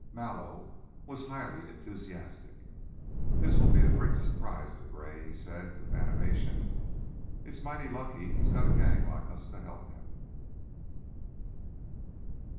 Mallow was highly enthusiastic. "This will be a great surprise to Gray," he said, with animation. "It's mighty lucky he's got a gang like us to help him."